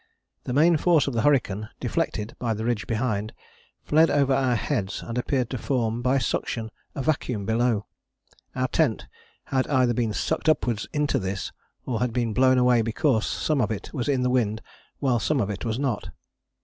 The main force of the hurricane, deflected by the ridge behind, fled over our heads and appeared to form by suction a vacuum below. Our tent had either been sucked upwards into this, or had been blown away because some of it was in the wind while some of it was not.